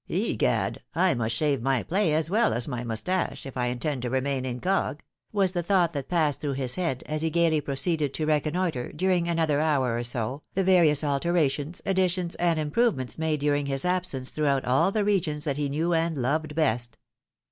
" Egad ! I must shave my play, as well as my mustache, if I intend to remain incog," was the thought that passed through his head, as he gaily proceeded to reconnoitre, during another hour or so, the various alterations, additions, and improvements made during his absence throughout aU the regions that' he knew and loved the best.